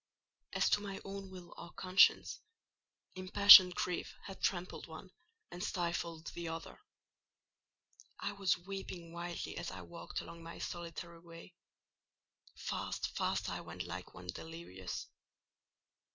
As to my own will or conscience, impassioned grief had trampled one and stifled the other. I was weeping wildly as I walked along my solitary way: fast, fast I went like one delirious.